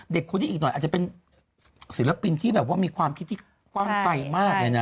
เด็กคนนี้อีกหน่อยอาจจะเป็นศิลปินที่แบบว่ามีความคิดที่กว้างไปมากเลยนะ